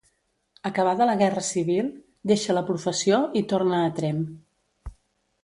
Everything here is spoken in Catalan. Acabada la guerra civil, deixa la professió i torna a Tremp.